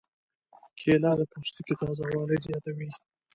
کېله د پوستکي تازه والی زیاتوي.